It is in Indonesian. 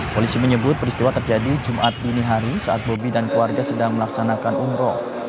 polisi menyebut peristiwa terjadi jumat dini hari saat bobi dan keluarga sedang melaksanakan umroh